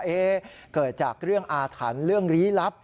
เกิดจากเรื่องอาถรรพ์เรื่องลี้ลับ